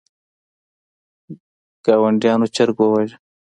ګاونډیانو چرګ وواژه.